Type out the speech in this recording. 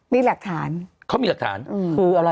มีหลักฐานเขามีหลักฐานคืออะไร